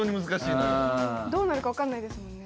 どうなるかわかんないですもんね